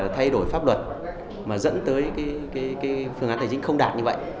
thay đổi pháp luật mà dẫn tới phương án tài chính không đạt như vậy